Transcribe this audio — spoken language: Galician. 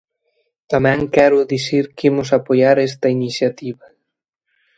Tamén quero dicir que imos apoiar esta iniciativa.